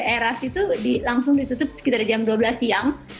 itu the era sih tuh langsung ditutup sekitar jam dua belas siang